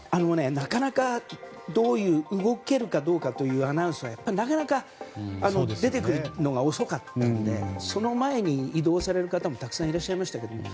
なかなか、動けるかどうかというアナウンスは出てくるのが遅かったのでその前に移動される方もたくさんいらっしゃいましたけれども。